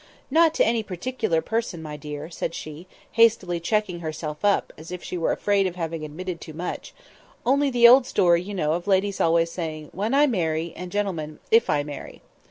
"Not to any particular person, my dear," said she, hastily checking herself up, as if she were afraid of having admitted too much; "only the old story, you know, of ladies always saying, 'When I marry,' and gentlemen, 'If I marry.